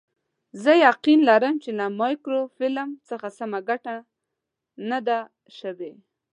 زه یقین لرم چې له مایکروفیلم څخه سمه اخیستنه نه ده شوې.